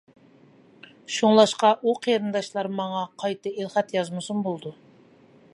شۇڭلاشقا ئۇ قېرىنداشلار ماڭا قايتا ئېلخەت يازمىسىمۇ بولىدۇ.